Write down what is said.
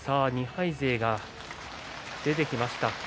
２敗勢が出てきました。